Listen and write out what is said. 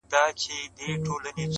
چي د غرونو په لمن کي ښکار ته ساز وو -